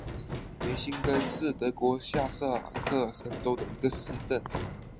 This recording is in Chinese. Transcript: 梅辛根是德国下萨克森州的一个市镇。